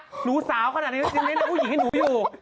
พี่คะหนูสาวขนาดนี้แล้วผู้หญิงขนาดนี้หนูอยู่